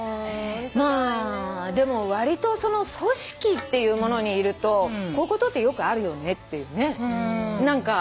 まあでもわりと組織っていうものにいるとこういうことってよくあるよねっていうね。